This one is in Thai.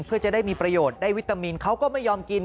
เพื่อจะได้มีประโยชน์ได้วิตามินเขาก็ไม่ยอมกิน